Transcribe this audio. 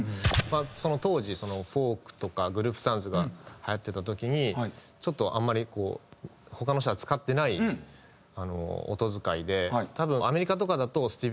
その当時フォークとかグループサウンズがはやってた時にちょっとあんまりこう他の人が使ってない音使いで。